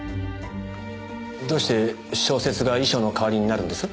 どうして小説が遺書の代わりになるんです？